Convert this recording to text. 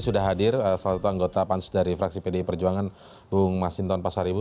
sudah hadir salah satu anggota dari pansu pdi perjuangan bung mas indra basaribu